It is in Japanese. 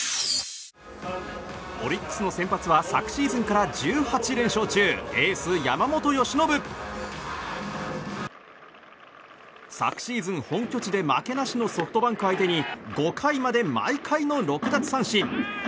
オリックスの先発は昨シーズンから１８連勝中エース、山本由伸。昨シーズン、本拠地で負けなしのソフトバンク相手に５回まで毎回の６奪三振。